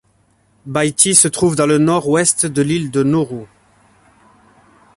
Baiti se trouve dans le Nord-Ouest de l'île de Nauru.